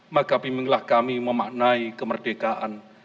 maka bimbinglah kami memaknai kemerdekaan